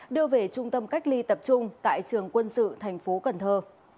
đưa về trung tâm cách ly tập trung tại trường quân sự thành phố cần thơ